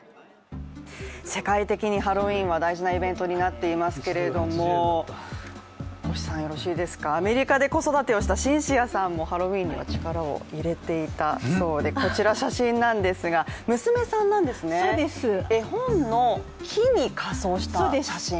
世界的にハロウィーンは大事なイベントになっていますけれども、アメリカで子育てをしたシンシアさんもハロウィーンには力を入れていたそうでこちら写真なんですが、娘さんなんですね絵本の木に仮装した写真